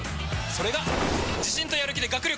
それが自信とやる気で学力